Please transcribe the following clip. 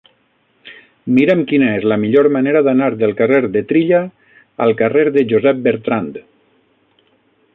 Mira'm quina és la millor manera d'anar del carrer de Trilla al carrer de Josep Bertrand.